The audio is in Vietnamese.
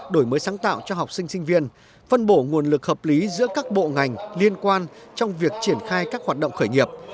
đổi mới sáng tạo cho học sinh sinh viên phân bổ nguồn lực hợp lý giữa các bộ ngành liên quan trong việc triển khai các hoạt động khởi nghiệp